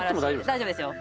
大丈夫ですよ